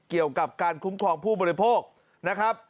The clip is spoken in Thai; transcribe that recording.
เกี่ยวกับการคุ้มครองผู้บริโภคนะครับ